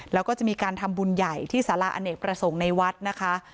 แล้วก็จะมีการทำบุญใหญ่ที่สาราอเนกประสงค์ในวัดนะคะ